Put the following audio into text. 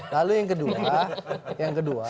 lalu yang kedua